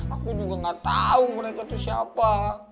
aku juga gak tau mereka tuh siapa